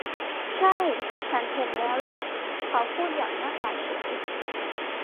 ใช่ ฉันเห็นแล้วแหละ เขาพูดอย่างหน้าตาเฉย